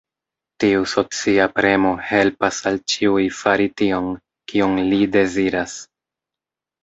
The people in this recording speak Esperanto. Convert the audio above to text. Tiu socia premo helpas al ĉiuj fari tion, kion li deziras.